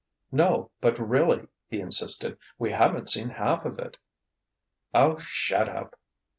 "No, but really!" he insisted. "We haven't seen half of it " "Oh, shut up!"